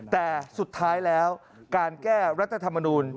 แต่สุดท้ายแล้วการแก้รัฐธรรมนูล